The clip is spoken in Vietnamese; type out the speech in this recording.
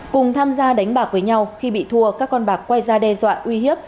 cùng tham gia đánh bạc với nhau khi bị thua các con bạc quay ra đe dọa uy hiếp